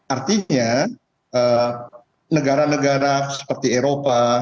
artinya negara negara seperti eropa